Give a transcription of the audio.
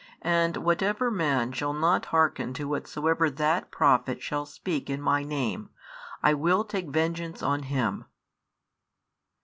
And whatever man shall not hearken to whatsoever that Prophet shall speak in My Name, I will take vengeance on him.